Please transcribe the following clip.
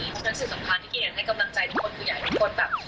เพราะฉะนั้นสิ่งสำคัญที่กินอยากให้กำลังใจทุกคนผู้ใหญ่ทุกคนแบบ